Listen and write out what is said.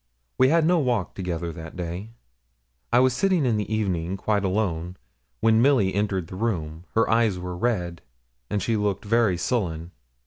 We had no walk together that day. I was sitting in the evening, quite alone, when Milly entered the room. Her eyes were red, and she looked very sullen.